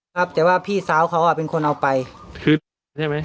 ครับแต่ว่าพี่สาวเขาอ่ะเป็นคนเอาไปคือใช่ไหม